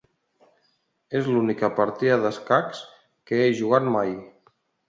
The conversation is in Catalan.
És l'única partida d'escacs que he jugat mai.